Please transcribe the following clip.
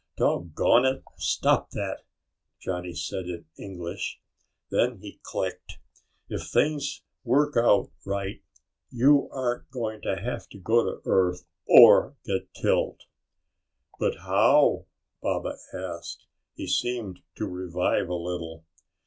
"Doggone it, stop that!" Johnny said in English. Then he clicked, "If things work out right, you aren't going to have to go to Earth or get killed." "But how?" Baba asked. He seemed to revive a little.